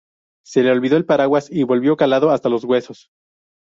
Se le olvidó el paraguas y volvió calado hasta los huesos